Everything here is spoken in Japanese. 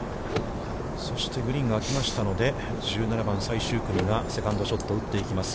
そして、グリーンがあきましたので、１７番、最終組が、セカンドショットを打っていきます。